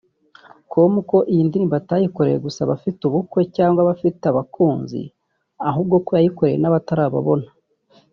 com ko iyi ndirimbo atayikoreye gusa abafite ubukwe cyangwa abafite abakunzi ahubwo ko yayikoreye n'abatarababona